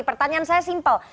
pertanyaan saya simpel